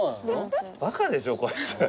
バカでしょこいつ。